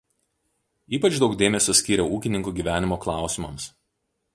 Ypač daug dėmesio skyrė ūkininkų gyvenimo klausimams.